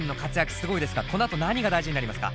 すごいですがこのあと何が大事になりますか？